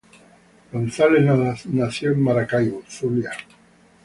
González nació en Maracaibo, Zulia.